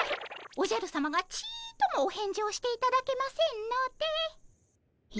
おじゃるさまがちっともお返事をしていただけませんので。